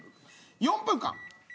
４分間。